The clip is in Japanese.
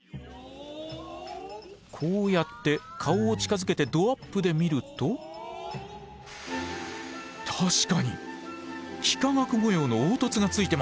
こうやって顔を近づけてどアップで見ると確かに幾何学模様の凹凸がついてます！